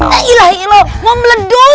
ajiilah ilah mau meledung